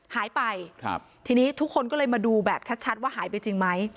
หายไปครับทีนี้ทุกคนก็เลยมาดูแบบชัดชัดว่าหายไปจริงไหม